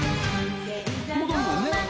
「戻るもんね」